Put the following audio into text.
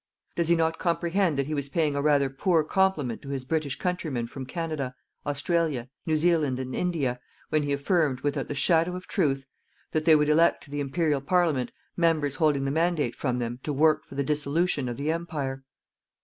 Does he not comprehend that he was paying a rather poor compliment to his British countrymen from Canada, Australia, New Zealand and India, when he affirmed, without the shadow of truth, that they would elect to the Imperial Parliament members holding the mandate from them to work for the dissolution of the Empire?